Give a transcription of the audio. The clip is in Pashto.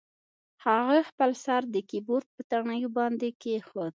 هغه خپل سر د کیبورډ په تڼیو باندې کیښود